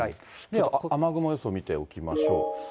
じゃあ、雨雲予想見ておきましょう。